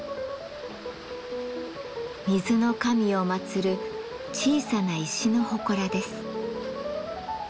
水の神を祭る小さな石の祠です。